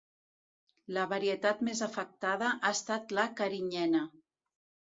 La varietat més afectada ha estat la carinyena.